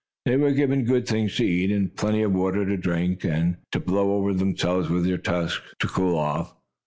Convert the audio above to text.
They were given good things to eat, and plenty of water to drink, and to blow over themselves with their trunks, to cool off.